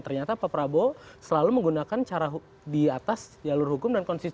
ternyata pak prabowo selalu menggunakan cara di atas jalur hukum dan konsisten